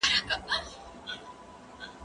ايا ته سينه سپين کوې